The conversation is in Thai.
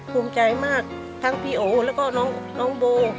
ภูมิใจมากทั้งพี่โอแล้วก็น้องโบ